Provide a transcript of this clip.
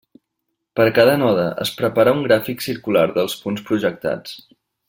Per cada node es prepara un gràfic circular dels punts projectats.